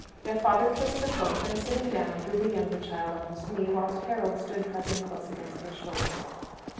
Their father kissed them both, and, sitting down, drew the younger child on his knee, whilst Harold stood pressing close against his shoulder.